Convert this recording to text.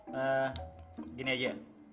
nah gini aja